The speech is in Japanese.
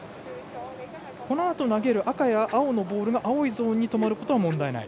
赤や青のボールが青いゾーンに止まることは問題ない？